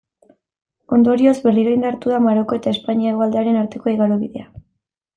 Ondorioz, berriro indartu da Maroko eta Espainia hegoaldearen arteko igarobidea.